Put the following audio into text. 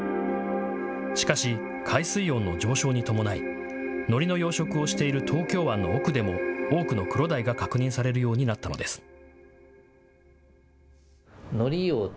しかし海水温の上昇に伴いのりの養殖をしている東京湾の奥でも多くのクロダイが確認されるようになったのです。